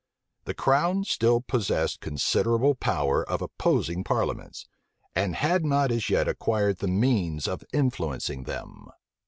The crown still possessed considerable power of opposing parliaments; and had not as yet acquired the means of influencing them.